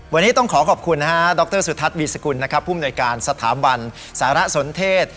วันนี้ต้องขอขอบคุณนะฮะดรสุทัศน์วีสกุลนะครับผู้มนวยการสถาบันสารสนเทศ